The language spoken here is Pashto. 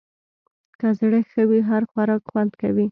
که زړه ښه وي، هر خوراک خوند کوي.